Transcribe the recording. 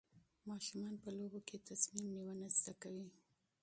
ماشومان په لوبو کې تصمیم نیونه زده کوي.